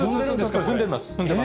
踏んでます。